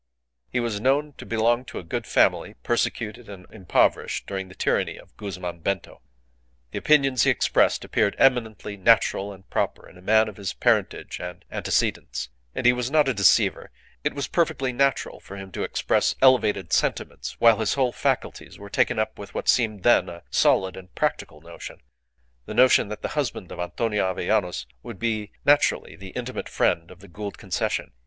He was known to belong to a good family persecuted and impoverished during the tyranny of Guzman Bento. The opinions he expressed appeared eminently natural and proper in a man of his parentage and antecedents. And he was not a deceiver; it was perfectly natural for him to express elevated sentiments while his whole faculties were taken up with what seemed then a solid and practical notion the notion that the husband of Antonia Avellanos would be, naturally, the intimate friend of the Gould Concession.